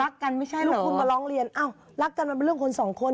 ลูกคุณมาร้องเรียนเอ้ารักกันมันเป็นเรื่องคนสองคน